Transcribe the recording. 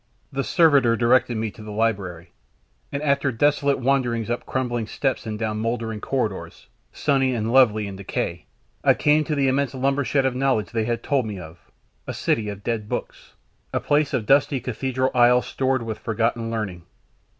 The servitor directed me to the library, and after desolate wanderings up crumbling steps and down mouldering corridors, sunny and lovely in decay, I came to the immense lumber shed of knowledge they had told me of, a city of dead books, a place of dusty cathedral aisles stored with forgotten learning.